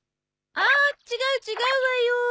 ああ違う違うわよ。